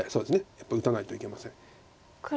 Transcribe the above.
やっぱり打たないといけません。